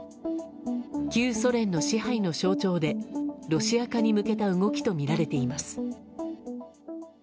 旧ソ連の支配の象徴でロシア化に向けた動きとみられています。